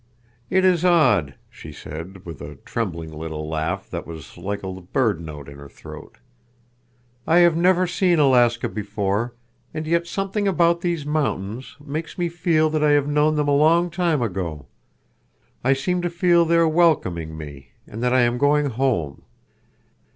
"It is odd," she said, with a trembling little laugh that was like a bird note in her throat. "I have never seen Alaska before, and yet something about these mountains makes me feel that I have known them a long time ago. I seem to feel they are welcoming me and that I am going home.